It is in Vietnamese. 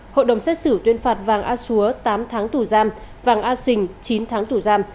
hội đồng xét xử tuyên phạt vàng a xúa tám tháng tù giam vàng a sình chín tháng tù giam